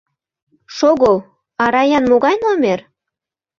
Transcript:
Шого, а Раян могай номер?..